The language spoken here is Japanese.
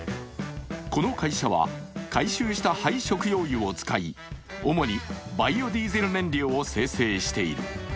この会社は回収した廃食用油を使い主にバイオディーゼル燃料を精製している。